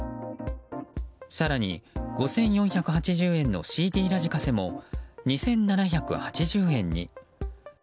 更に５４８０円のＣＤラジカセも２７８０円に。